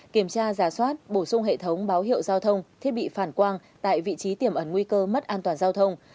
kiểm tra giả soát bổ sung hệ thống báo hiệu giao thông thiết bị phản quang tại vị trí tiềm ẩn nguy cơ mất an toàn giao thông